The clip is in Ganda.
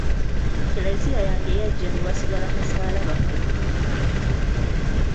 Klezia yange yaggya ne wasigala kasalaaba kokka.